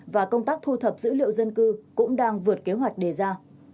và công tác thu thập dữ liệu dân cư cũng đang vượt kế hoạch đề ra